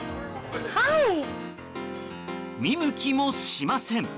見向きもしません。